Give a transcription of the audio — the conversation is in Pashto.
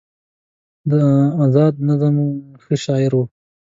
د ازاد نظم ښه شاعر و